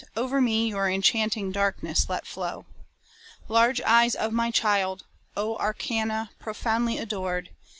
over me your enchanting darkness let flow. Large eyes of my child! O Arcana profoundly adored!